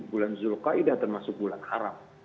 bulan zul qaedah termasuk bulan haram